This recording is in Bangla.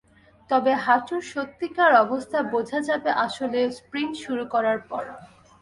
তবে হাঁটুর সত্যিকার অবস্থা বোঝা যাবে আসলে স্প্রিন্ট শুরু করার পর।